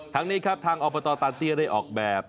ทางนี้ครับทางอบตตานเตี้ยได้ออกแบบ